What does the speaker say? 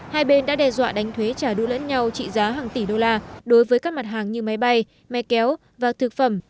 hai bên đã đe dọa đánh thuế trả đũ lẫn nhau trị giá hàng tỷ đô la đối với các mặt hàng như máy bay me kéo và thực phẩm